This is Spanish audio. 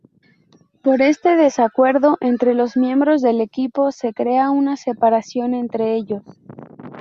Por este desacuerdo entre los miembros del equipo, se crea una separación entre ellos.